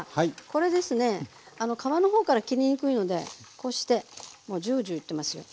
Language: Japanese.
これですね皮の方から切りにくいのでこうしてもうジュウジュウいってますよ。